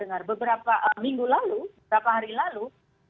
dengar beberapa minggu lalu beberapa hari lalu